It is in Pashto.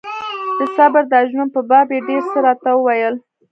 د صبر د اجرونو په باب يې ډېر څه راته وويل.